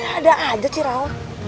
ada aja ciraul